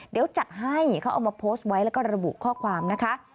เดี๋ยวจัดให้เขาเอามาโพสต์ไว้แล้วก็ระบุข้อความนะคะ